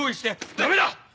ダメだ‼